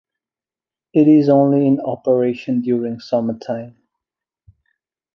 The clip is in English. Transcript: It is only in operation during summer time.